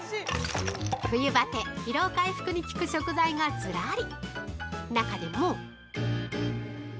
冬ばて、疲労回復に効く食材がずらり！